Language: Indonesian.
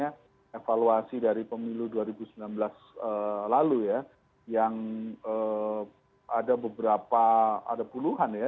karena evaluasi dari pemilu dua ribu sembilan belas lalu ya yang ada beberapa ada puluhan ya